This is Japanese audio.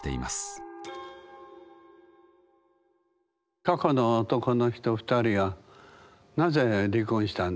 過去の男の人２人はなぜ離婚したんですか？